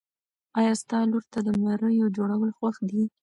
ایا ستا لور ته د مریو جوړول خوښ دي؟